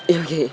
iya pak giai